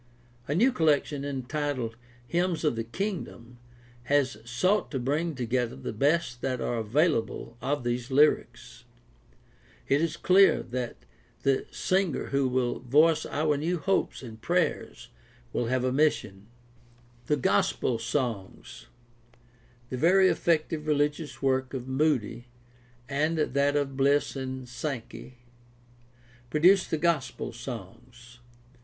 A new collection entitled Hymns of the Kingdom has sought to bring together the best that are available of these lyrics. It is clear that the singer who will voice our new hopes and prayers will have a mission. The gospel songs. — The very effective religious work of Moody, with that of Bliss and Sankey, produced the gospel songs.